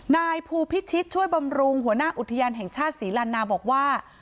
นายภูพิชิตช่วยบำรุงหัวหน้าอุทยานแห่งชาติศรีลันนาบอกว่า